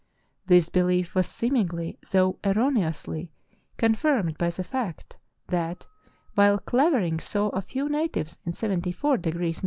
This belief was seemingly, though erroneously, confirmed by the fact that, while Clavering saw a few natives in 74° N.